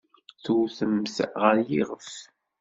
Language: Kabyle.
Tewtemt-t ɣer yiɣef.